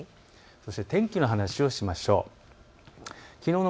天気の話をしましょう。